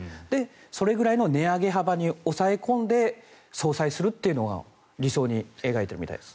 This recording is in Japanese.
それぐらいの値上げ幅に抑え込んで相殺するというのは理想に描いてるみたいです。